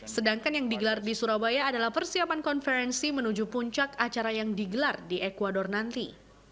sedangkan yang digelar di surabaya adalah persiapan konferensi menuju puncak acara yang digelar di ecuador nanti